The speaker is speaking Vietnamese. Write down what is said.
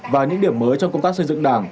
và những điểm mới trong công tác xây dựng đảng